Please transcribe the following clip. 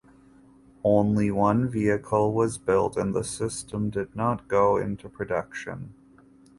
Only one vehicle was built and the system did not go into production.